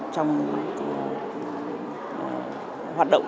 trong hoạt động